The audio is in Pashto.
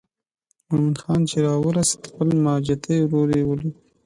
مومن خان چې راورسېد خپل ماجتي ورور یې ولید.